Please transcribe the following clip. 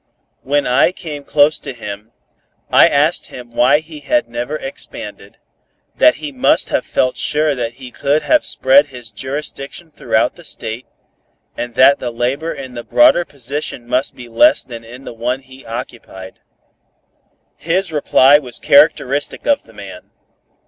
When I became close to him, I asked him why he had never expanded; that he must have felt sure that he could have spread his jurisdiction throughout the State, and that the labor in the broader position must be less than in the one he occupied. His reply was characteristic of the man.